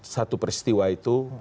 satu peristiwa itu